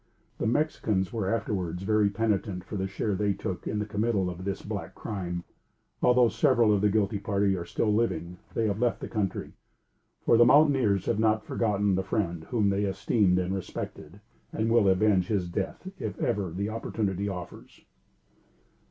The Mexicans were afterwards very penitent for the share they took in the committal of this black crime. Although several of the guilty party are still living, they have left the country; for, the mountaineers have not forgotten the friend whom they esteemed and respected, and will avenge his death if ever the opportunity offers.